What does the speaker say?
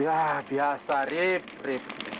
ya biasa rip rip